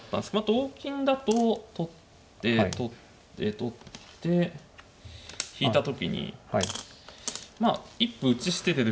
同金だと取って取って取って引いた時にまあ一歩打ち捨ててる分ちょっと。